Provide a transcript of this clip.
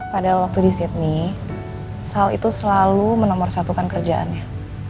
pada waktu di sydney sal itu selalu menomorsatukan kerjaannya